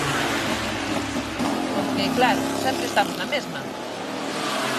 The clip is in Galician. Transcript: Porque, claro, sempre estamos na mesma.